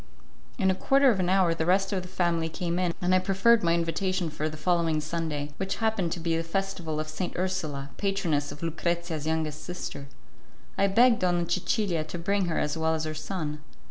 In a quarter of an hour the rest of the family came in, and I proffered my invitation for the following Sunday, which happened to be the Festival of St. Ursula, patroness of Lucrezia's youngest sister. I begged Donna Cecilia to bring her as well as her son.